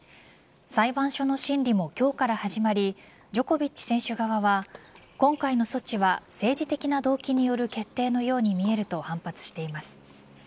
裁判所の審理も今日から始まりジョコビッチ選手側は今回の措置は政治的な動機による決定のように見えると反発しています。